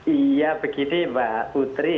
iya begini pak putri